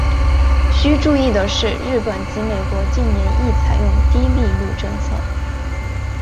需要注意的是日本及美国近年亦采用低利率政策。